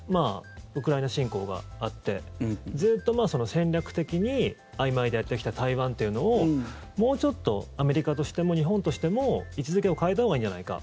ウクライナ侵攻があってずっと戦略的にあいまいでやってきた台湾というのをもうちょっとアメリカとしても日本としても位置付けを変えたほうがいいんじゃないか。